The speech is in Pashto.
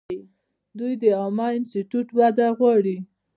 دوی د عامه ټرانسپورټ وده غواړي.